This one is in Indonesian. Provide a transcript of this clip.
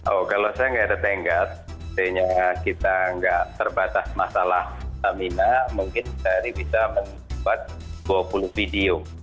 oh kalau saya nggak ada tenggat artinya kita nggak terbatas masalah stamina mungkin dari bisa membuat dua puluh video